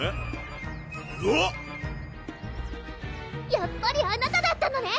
やっぱりあなただったのね！